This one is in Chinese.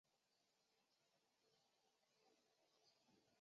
默泽站正前方设有社会车辆停车场。